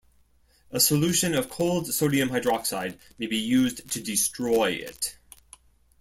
A solution of cold sodium hydroxide may be used to destroy it.